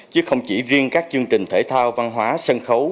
chứ không chỉ riêng các chương trình thể thao văn hóa sân khấu